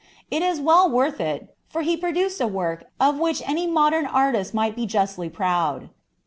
It is well worth it, for he produced a work of which dern artist miffht be justly proud.